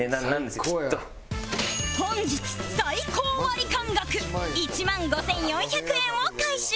本日最高ワリカン額１万５４００円を回収